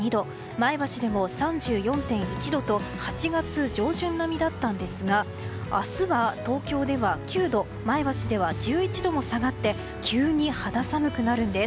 前橋でも３４．１度と８月上旬並みだったんですが明日は東京は９度前橋では１１度も下がって急に肌寒くなるんです。